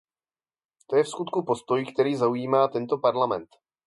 To je vskutku postoj, který zaujímá tento Parlament.